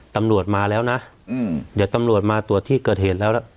ตำรวจมาแล้วนะเดี๋ยวตำรวจมาตรวจที่เกิดเหตุแล้วล่ะ